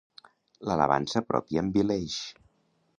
L'alabança pròpia envileix.